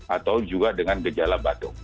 atau juga dengan gejala batuk